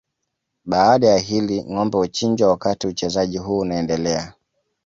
Baada ya hili ngombe huchinjwa wakati uchezaji huu unaendelea